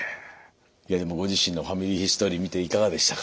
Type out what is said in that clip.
いやでもご自身のファミリーヒストリー見ていかがでしたか？